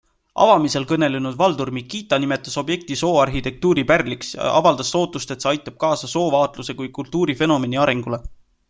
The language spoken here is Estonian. Avamisel kõnelenud Valdur Mikita nimetas objekti sooarhitektuuri pärliks ja avaldas lootust, et see aitab kaasa soovaatluse kui kultuurifenomeni arengule.